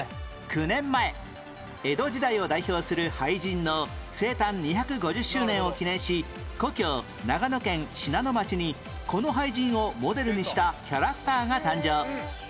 ９年前江戸時代を代表する俳人の生誕２５０周年を記念し故郷長野県信濃町にこの俳人をモデルにしたキャラクターが誕生